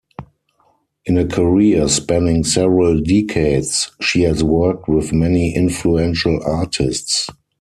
In a career spanning several decades, she has worked with many influential artists.